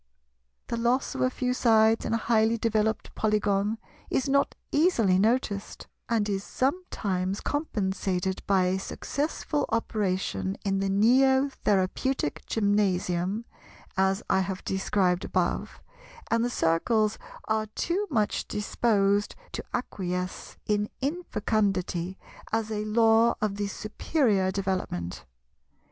The loss of a few sides in a highly developed Polygon is not easily noticed, and is sometimes compensated by a successful operation in the Neo Therapeutic Gymnasium, as I have described above; and the Circles are too much disposed to acquiesce in infecundity as a law of the superior development.